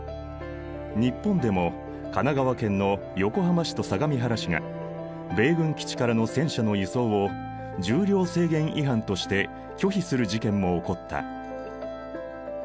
日本でも神奈川県の横浜市と相模原市が米軍基地からの戦車の輸送を重量制限違反として拒否する事件も起こった。